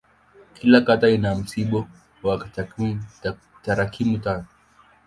Kila kata ina msimbo wa tarakimu tano.